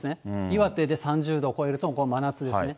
岩手で３０度を超えると、これ、真夏ですね。